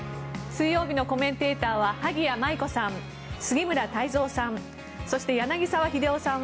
水曜日のコメンテーターは萩谷麻衣子さん、杉村太蔵さん